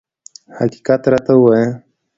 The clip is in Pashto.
حقیقت راته ووایه.